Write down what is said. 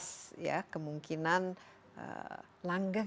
dengan keuntungan yang meningkat